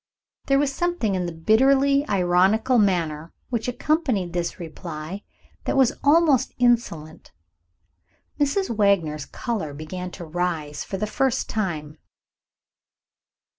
There was something in the bitterly ironical manner which accompanied this reply that was almost insolent. Mrs. Wagner's color began to rise for the first time.